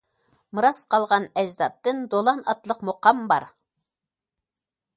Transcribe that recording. مىراس قالغان ئەجدادتىن،« دولان» ئاتلىق مۇقام بار.